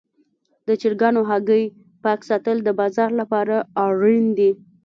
د چرګانو هګۍ پاک ساتل د بازار لپاره اړین دي.